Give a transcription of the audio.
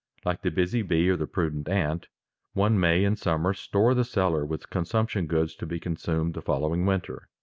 Like the busy bee or the prudent ant, one may in summer store the cellar with consumption goods to be consumed the following winter.